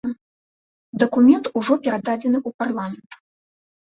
Дакумент ужо перададзены ў парламент.